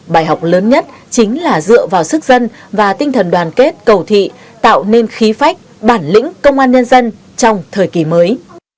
bài học lớn nhất chính là dựa vào sức dân và tinh thần đoàn kết cầu thị tạo nên khí phách bản lĩnh công an nhân dân trong thời kỳ mới